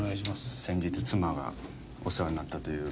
先日妻がお世話になったという事でですね。